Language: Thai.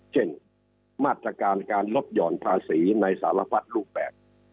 เช่นมาตรการการลดหย่อนภาษีในสารพัดรูปแบบ